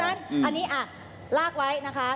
อันนี้ลากไว้นะคะ